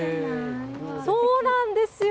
そうなんですよ。